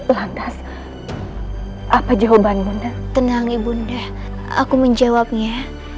lantas apa jawaban bunda tenang ibu nda aku menjawabnya